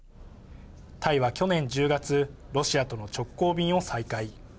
タイは去年１０月ロシアとの直行便を再開。